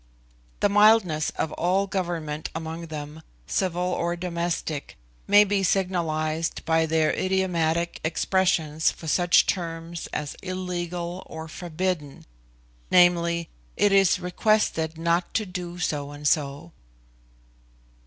The mildness of all government among them, civil or domestic, may be signalised by their idiomatic expressions for such terms as illegal or forbidden viz., "It is requested not to do so and so."